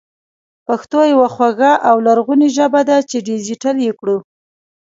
پښتو يوه خواږه او لرغونې ژبه ده چې ډېجېټل يې کړو